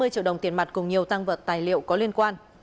năm mươi triệu đồng tiền mặt cùng nhiều tăng vật tài liệu có liên quan